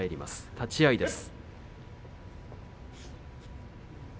立ち合いです。